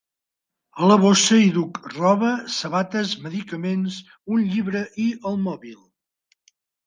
A la bossa hi duc roba, sabates, medicaments, un llibre i el mòbil!